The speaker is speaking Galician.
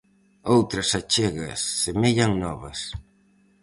Outras achegas semellan novas.